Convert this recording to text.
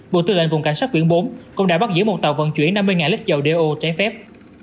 bộ tư lệnh vùng cảnh sát biển bốn cũng đã bắt giữ một tàu vận chuyển năm mươi lít dầu đeo trái phép